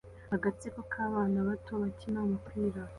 Agatsiko k'abana bato bakina umupira